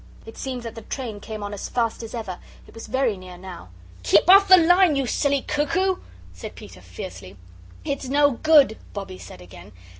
It seemed that the train came on as fast as ever. It was very near now. "Keep off the line, you silly cuckoo!" said Peter, fiercely. "It's no good," Bobbie said again.